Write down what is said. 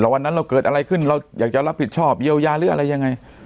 วันนั้นเราเกิดอะไรขึ้นเราอยากจะรับผิดชอบเยียวยาหรืออะไรยังไง